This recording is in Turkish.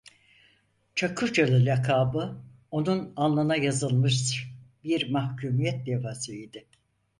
Çakırcalı lakabı, onun alnına yazılmış bir mahkûmiyet levhası idi.